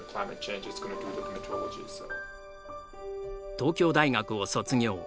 東京大学を卒業。